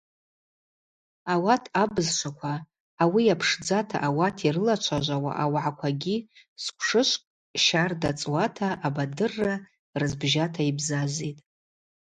Ауат абызшваква, ауи йапшдзата ауат йрылачважвауа аугӏаквагьи сквшышвкӏ щарда цӏуата абадырра рызбжьата йбзазитӏ.